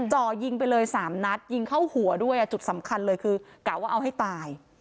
จ่อยิงไปเลยสามนัดยิงเข้าหัวด้วยจุดสำคัญเลยคือกะว่าเอาให้ตาย